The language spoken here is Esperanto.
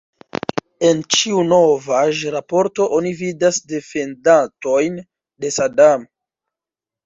En ĉiu novaĵ-raporto oni vidas defendantojn de Sadam.